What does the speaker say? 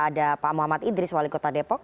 ada pak muhammad idris walikota depok